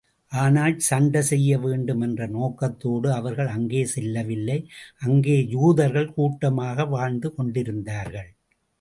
ஆனால் சண்டை செய்ய வேண்டும் என்ற நோக்கத்தோடு அவர்கள் அங்கே செல்லவில்லை அங்கே யூதர்கள் கூட்டமாக வாழ்ந்து கொண்டிருந்தார்கள்.